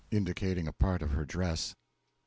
(Indicating a part of her dress.) A.